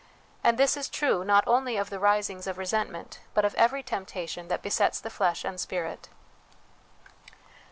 And this is true, not only of the risings of resentment, but of every temptation that besets the flesh and spirit.